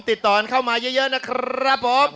ติดต่อกันเข้ามาเยอะนะครับผม